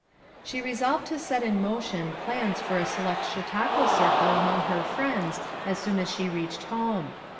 She resolved to set in motion plans for a select Chautauqua Circle among her friends as soon as she reached home.